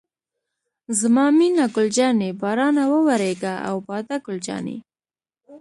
زما مینه ګل جانې، بارانه وورېږه او باده ګل جانې.